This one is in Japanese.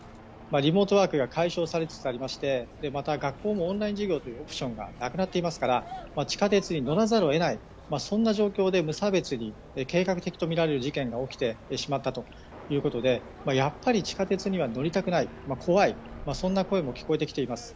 リモートワークが解消されつつありましてまた、学校もオンライン授業というオプションがなくなっていますから地下鉄に乗らざるを得ない状況で無差別に計画的とみられる事件が起きてしまったということでやっぱり地下鉄には乗りたくない怖い、そんな声も聞こえてきています。